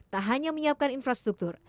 tak hanya menyiapkan infrastruktur